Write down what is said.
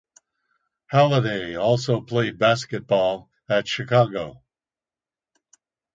Halladay also played basketball at Chicago.